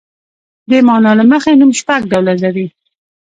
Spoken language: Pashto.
د مانا له مخې نوم شپږ ډولونه لري.